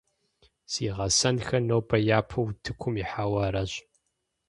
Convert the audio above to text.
Си гъэсэнхэр нобэ япэу утыкум ихьауэ аращ.